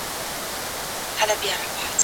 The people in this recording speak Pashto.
د نوي نسل لپاره د رښتیني تاریخ لاره هواره کړئ.